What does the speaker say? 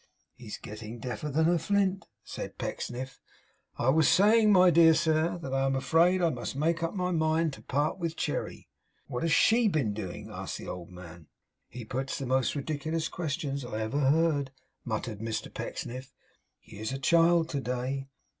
'He's getting deafer than a flint,' said Pecksniff. 'I was saying, my dear sir, that I am afraid I must make up my mind to part with Cherry.' 'What has SHE been doing?' asked the old man. 'He puts the most ridiculous questions I ever heard!' muttered Mr Pecksniff. 'He's a child to day.